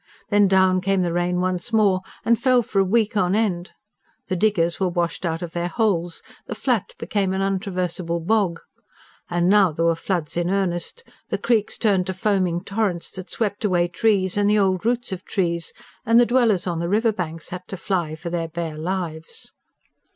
Then down came the rain once more, and fell for a week on end. The diggers were washed out of their holes, the Flat became an untraversable bog. And now there were floods in earnest: the creeks turned to foaming torrents that swept away trees and the old roots of trees; and the dwellers on the river banks had to fly for their bare lives.